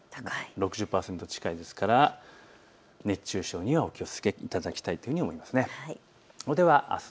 ６０％近いですから熱中症にはお気をつけいただきたいと思います。